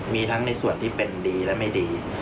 มีทั้งในส่วนที่เป็นดีและไม่ดี